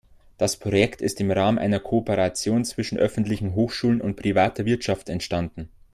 Das Projekt ist im Rahmen einer Kooperation zwischen öffentlichen Hochschulen und privater Wirtschaft entstanden.